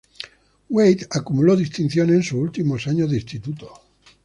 Wade acumuló distinciones en sus últimos años de instituto.